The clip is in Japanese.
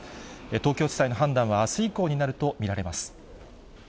東京地裁の判断はあす以降になると見られます。